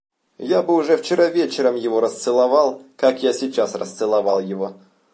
Я бы уже вчера вечером его расцеловал, как я сейчас расцеловал его.